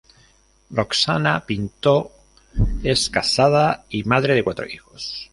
Roxana Pinto es casada y madre de cuatro hijos.